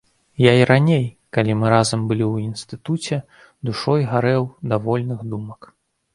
Я і раней, калі мы разам былі ў інстытуце, душой гарэў да вольных думак.